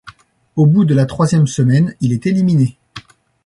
Au bout de la troisième semaine, il est éliminé.